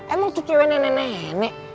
emang tuh cewek nenek nenek